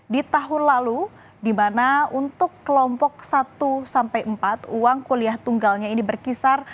di tahun lalu di mana untuk kelompok satu sampai empat uang kuliah tunggalnya ini berkisar